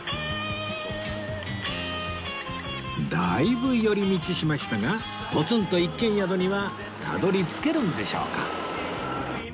だいぶ寄り道しましたがポツンと一軒宿にはたどり着けるんでしょうか？